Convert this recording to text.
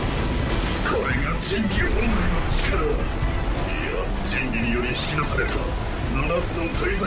これが神器本来の力いや神器により引き出された七つの大罪